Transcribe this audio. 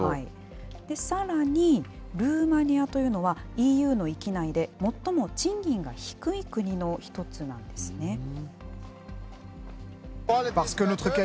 さらに、ルーマニアというのは、ＥＵの域内で最も賃金が低い国の一つなんですね。